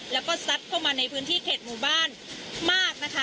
แล้วก็ซัดเข้ามาในพื้นที่เขตหมู่บ้านมากนะคะ